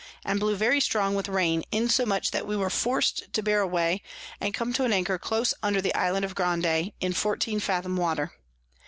and blew very strong with Rain, insomuch that we were forc'd to bear away, and come to an Anchor close under the Island of Grande, in fourteen Fathom Water.